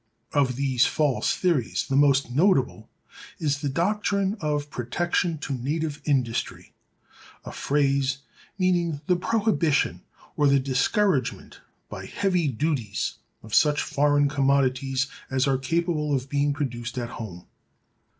Of these false theories, the most notable is the doctrine of Protection to Native Industry—a phrase meaning the prohibition, or the discouragement by heavy duties, of such foreign commodities as are capable of being produced at home.